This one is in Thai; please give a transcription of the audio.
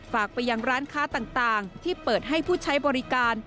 ฝากไปยังร้านค้าต่างที่เปิดให้ผู้ใช้บริการ